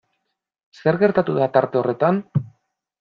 Zer gertatu da tarte horretan?